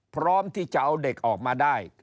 พร้อมที่จะเอาเด็กออกมาได้